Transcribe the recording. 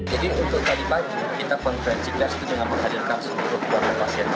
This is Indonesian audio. jadi untuk tadi pagi kita kontrol ciklis dengan menghadirkan seluruh keluarga pasien